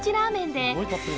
で